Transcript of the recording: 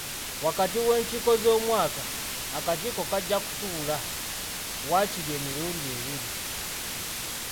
Wakati w'enkiiko z'omwaka, akakiiko kajja kutuula waakiri emirundi ebiri.